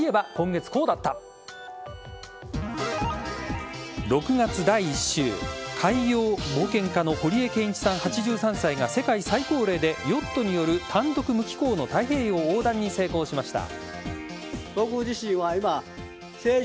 ６月第１週海洋冒険家の堀江謙一さん、８３歳が世界最高齢でヨットによる単独無寄港の太平洋横断に成功しました。